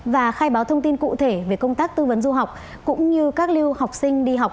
và khai báo thông tin cụ thể về công tác tư vấn du học cũng như các lưu học sinh đi học